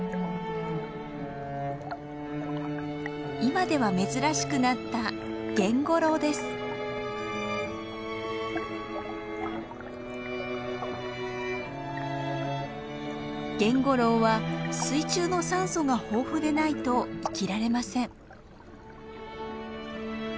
今では珍しくなったゲンゴロウは水中の酸素が豊富でないと生きられません。